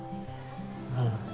うん。